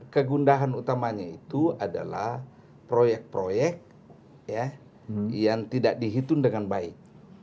kegundahan utamanya itu adalah proyek proyek yang tidak dihitung dengan baik